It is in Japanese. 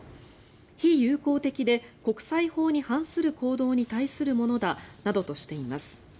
非友好的で国際法に反する行動に対するものだなどとしています。